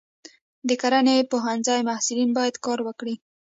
د کرنې پوهنځي محصلین باید کار وکړي.